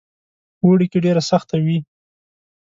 اوړي کې ډېره سخته وي.